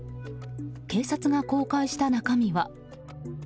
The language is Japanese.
警察が公開した中身は。